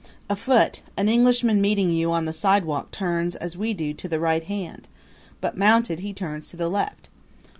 Afoot, an Englishman meeting you on the sidewalk turns, as we do, to the right hand; but mounted he turns to the left.